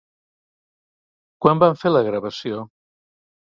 Quan van fer la gravació?